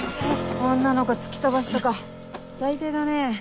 女の子突き飛ばすとか最低だね。